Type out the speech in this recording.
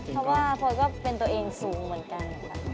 เพราะว่าพลอยก็เป็นตัวเองสูงเหมือนกันค่ะ